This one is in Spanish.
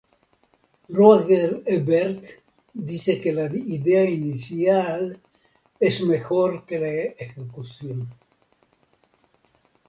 Roger Ebert dice que la idea inicial es mejor que la ejecución.